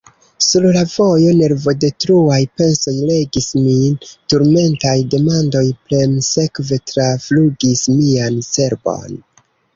Sur la vojo nervodetruaj pensoj regis min; turmentaj demandoj premsekve traflugis mian cerbon.